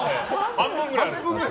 半分くらいある。